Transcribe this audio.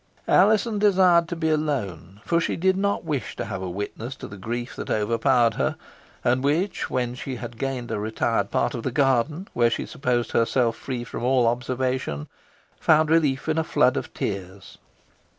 Alizon desired to be alone, for she did not wish to have a witness to the grief that overpowered her, and which, when she had gained a retired part of the garden, where she supposed herself free from all observation, found relief in a flood of tears.